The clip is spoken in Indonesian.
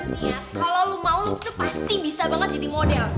nih ya kalo lo mau pasti bisa banget jadi model